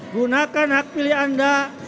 gunakan hak pilih anda